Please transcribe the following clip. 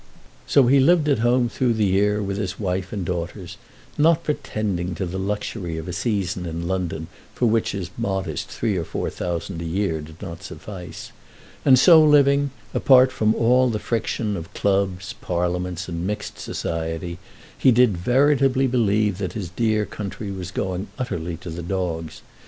So he lived at home through the year with his wife and daughters, not pretending to the luxury of a season in London for which his modest three or four thousand a year did not suffice; and so living, apart from all the friction of clubs, parliaments, and mixed society, he did veritably believe that his dear country was going utterly to the dogs.